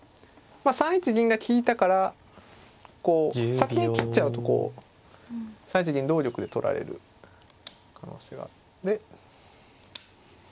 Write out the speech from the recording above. ３一銀が利いたからこう先に切っちゃうとこう３一銀同玉で取られる可能性があるので。